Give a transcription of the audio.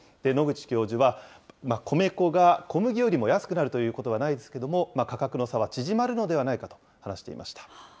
野口教授は、米粉が小麦よりも安くなるということはないですけれども、価格の差が縮まるのではないかと話していました。